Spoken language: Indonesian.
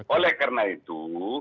oleh karena itu